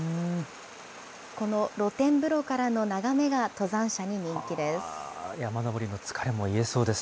この露天風呂からの眺めが登山者に人気です。